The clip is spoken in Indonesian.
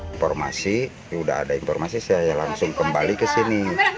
informasi sudah ada informasi saya langsung kembali ke sini